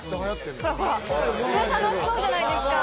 「ほら楽しそうじゃないですか」